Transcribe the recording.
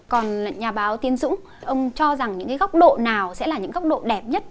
còn nhà báo tiến dũng ông cho rằng những cái góc độ nào sẽ là những góc độ đẹp nhất